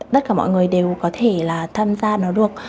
tất cả mọi người đều có thể là tham gia nó được